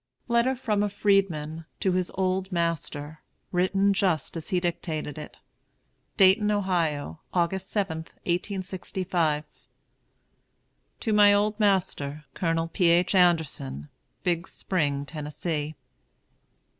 LETTER FROM A FREEDMAN TO HIS OLD MASTER. [Written just as he dictated it.] DAYTON, OHIO, August 7, 1865. To my old Master, COLONEL P. H. ANDERSON, Big Spring, Tennessee.